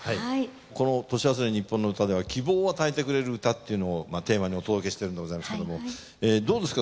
この「年忘れにっぽんの歌」では希望を与えてくれる歌っていうのをテーマにお届けしてるんでございますけどもどうですか？